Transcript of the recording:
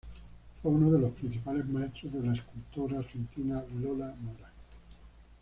Fue uno de los principales maestros de la escultora argentina Lola Mora.